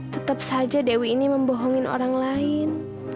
tetap saja dewi ini membohongin orang lain